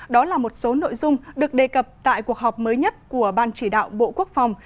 đó là một số nội dung được đề cập tại cuộc họp mới nhất của ban chỉ đạo bộ quốc phòng